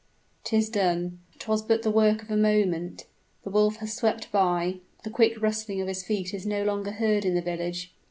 'Tis done 'twas but the work of a moment; the wolf has swept by, the quick rustling of his feet is no longer heard in the village.